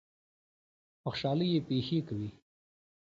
بخْشالۍ یې پېښې کوي.